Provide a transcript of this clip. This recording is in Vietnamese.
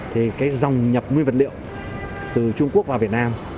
thì cái dòng nhập nguyên vật liệu từ trung quốc vào việt nam